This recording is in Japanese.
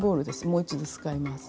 もう一度使います。